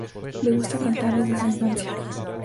Le gusta cantar desde su infancia.